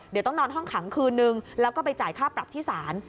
เดี๋ยวต้องนอนห้องขังคืนนึงแล้วก็ไปจ่ายค่าปรับที่ศาล